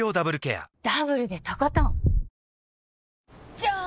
じゃーん！